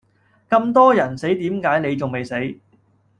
咁多人死點解你仲未死？